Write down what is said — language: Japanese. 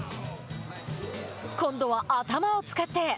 今度は頭を使って！